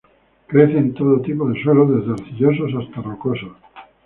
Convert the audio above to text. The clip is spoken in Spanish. Crece en todo tipo de suelos, desde arcillosos hasta rocosos.